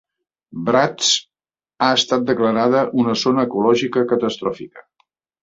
Bratsk ha estat declarada una zona ecològica catastròfica.